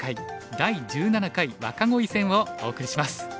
第１７回若鯉戦」をお送りします。